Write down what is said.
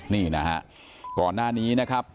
นี่นะฮะก่อนหน้านี้นะครับ